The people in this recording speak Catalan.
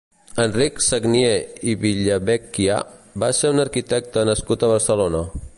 Enric Sagnier i Villavecchia va ser un arquitecte nascut a Barcelona.